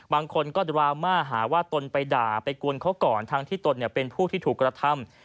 บางคนก็ดราม่าหาว่าตนไปด่าไปกวนเขาก่อนทั้งที่ตนเป็นผู้ที่ถูกกระทำ